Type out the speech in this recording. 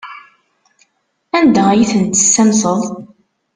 Anda ay ten-tessamseḍ?